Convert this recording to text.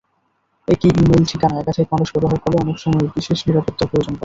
একই ই-মেইল ঠিকানা একাধিক মানুষ ব্যবহার করলে অনেক সময় বিশেষ নিরাপত্তার প্রয়োজন পড়ে।